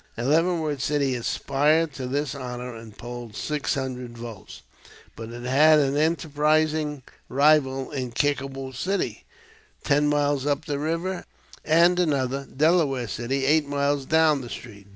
Leavenworth city aspired to this honor and polled six hundred votes; but it had an enterprising rival in Kickapoo city, ten miles up the river, and another, Delaware city, eight miles down stream.